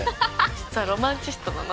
実はロマンチストなの。